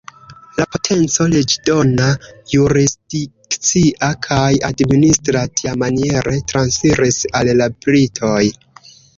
La potenco leĝdona, jurisdikcia kaj administra tiamaniere transiris al la britoj.